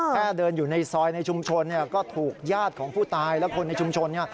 แค่เดินอยู่ในซอยในชุมชนก็ถูกญาติของผู้ตายและคนในชุมชน